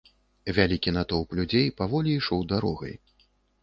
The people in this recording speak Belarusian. Вялікі натоўп людзей паволі ішоў дарогай.